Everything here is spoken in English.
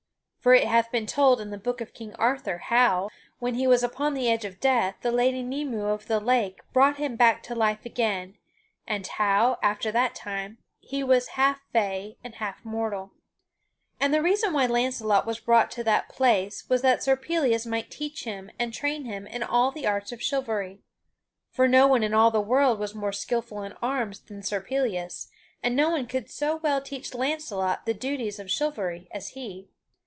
(For it hath been told in the Book of King Arthur how, when he was upon the edge of death, the Lady Nymue of the Lake brought him back to life again, and how, after that time, he was half fay and half mortal.) And the reason why Launcelot was brought to that place was that Sir Pellias might teach him and train him in all the arts of chivalry. For no one in all the world was more skilful in arms than Sir Pellias, and no one could so well teach Launcelot the duties of chivalry as he.